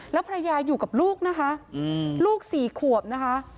แล้วภรรยาอยู่กับลูกนะคะลูก๔ขวบนะคะ